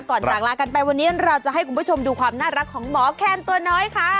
จากลากันไปวันนี้เราจะให้คุณผู้ชมดูความน่ารักของหมอแคนตัวน้อยค่ะ